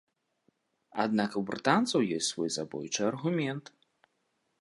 Аднак у брытанцаў ёсць свой забойчы аргумент.